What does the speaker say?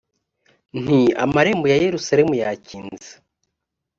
nti amarembo ya yerusalemu yakinze